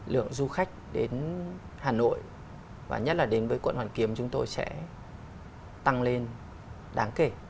lượng du khách đến hà nội và nhất là đến với quận hoàn kiếm chúng tôi sẽ tăng lên đáng kể